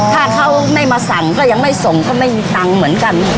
ถ้าเขาไม่มาสั่งก็ยังไม่ส่งก็ไม่มีตังค์เหมือนกัน